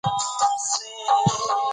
بدلون د مدنيت لومړۍ خښته ده.